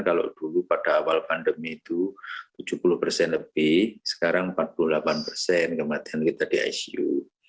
kalau dulu pada awal pandemi itu tujuh puluh persen lebih sekarang empat puluh delapan persen kematian kita di icu